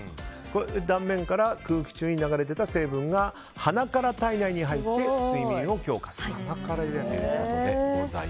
断面から空気中に流れ出た成分が鼻から体内に入って睡眠を強化するということで。